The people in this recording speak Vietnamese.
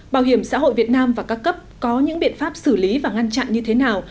bảo hiểm xã hội việt nam và các cấp có những biện pháp xử lý và ngăn chặn như thế nào